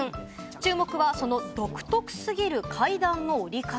注目はその独特過ぎる階段の降り方。